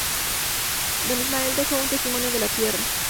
Don Ismael deja un testimonio de la tierra.